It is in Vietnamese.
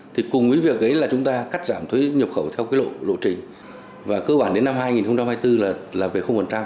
thì cùng với việc ấy là chúng ta cắt giảm thuế nhập khẩu theo cái lộ trình và cơ bản đến năm hai nghìn hai mươi bốn là về